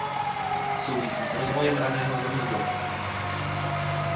Souvisí s rozvojem raného zemědělství.